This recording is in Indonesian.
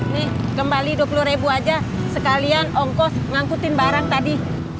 nih kembali dua puluh ribu aja sekalian ongkos ngangkutin barang tadi